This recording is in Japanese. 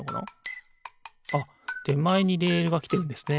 あってまえにレールがきてるんですね。